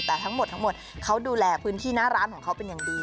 แต่ทั้งหมดเขาดูแลพื้นที่นะร้านของเขาเป็นอย่างดี